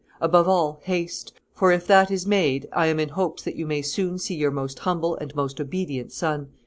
Above all, haste: for, if that is made, I am in hopes that you may soon see your most humble and most obedient son."